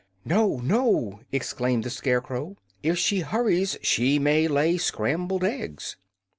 "No, no!" exclaimed the Scarecrow. "If she hurries she may lay scrambled eggs."